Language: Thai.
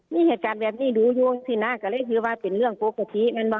มีเหตุการณ์แบบนี้ดูอยู่สินะก็เลยคือว่าเป็นเรื่องปกติมันว่ะ